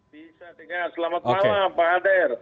bisa dengar selamat malam pak hadar